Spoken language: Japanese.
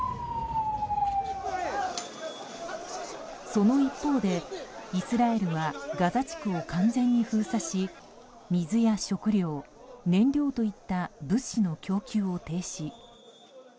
その一方で、イスラエルはガザ地区を完全に封鎖し水や食料、燃料といった物資の供給を停止。